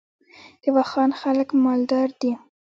د واخان خلک مالدار دي